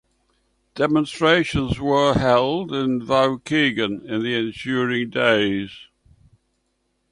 Demonstrations were held in Waukegan in the ensuing days.